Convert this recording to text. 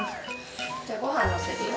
じゃあごはんのせるよ。